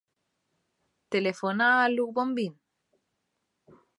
Telefona a l'Hug Bombin.